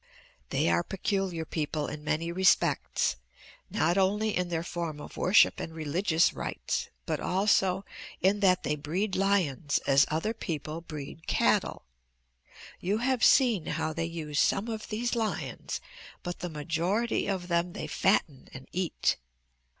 "They are peculiar people in many respects, not only in their form of worship and religious rites but also in that they breed lions as other people breed cattle. You have seen how they use some of these lions but the majority of them they fatten and eat.